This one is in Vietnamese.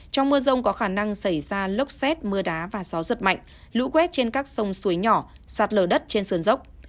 trong mưa rông có khả năng xảy ra lốc xét mưa đá và gió giật mạnh lũ quét trên các sông suối nhỏ sạt lở đất trên sườn dốc